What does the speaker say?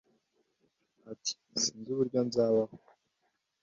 Ati “Sinzi uburyo nzabaho